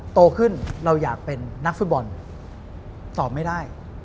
โตขึ้นเราอยากเป็นนักฟุตบอลสอบไม่ได้